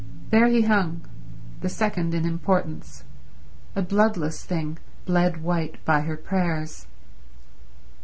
There he hung, the second in importance, a bloodless thing bled white by her prayers.